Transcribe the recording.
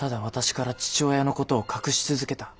私から父親のことを隠し続けた。